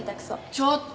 ちょっと。